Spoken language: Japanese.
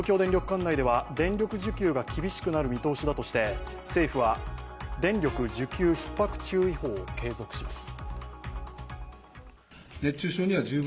管内では電力需給が厳しくなる見込みだとして、政府は電力需給ひっ迫注意報を継続します。